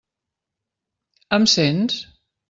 Em sents?